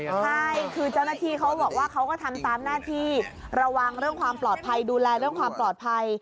ใช่คือเจ้าหน้าที่เขาบอกว่าเขาก็ทำตามหน้าที่ระวังเรื่องความปลอดภัยดูแลเรื่องความปลอดภัย